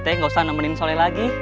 kita nggak usah nemenin soleh lagi